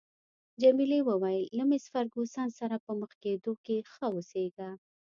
جميلې وويل: له مېس فرګوسن سره په مخ کېدو کې ښه اوسیږه.